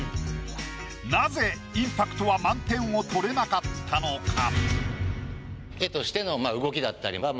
なぜインパクトは満点を取れなかったのか？